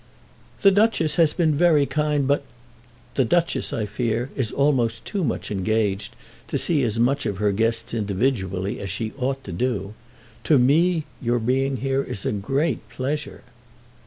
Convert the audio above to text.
"The Duchess has been very kind, but " "The Duchess, I fear, is almost too much engaged to see as much of her guests individually as she ought to do. To me your being here is a great pleasure."